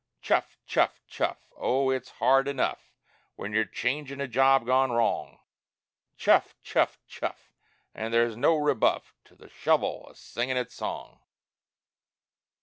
"Chuff! chuff! chuff!" Oh, it's hard enough When you're changin' a job gone wrong; "Chuff! chuff! chuff!" an' there's no rebuff To the shovel a singin' its song!